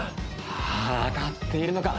当たっているのか！